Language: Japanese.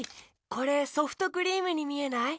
これソフトクリームにみえない？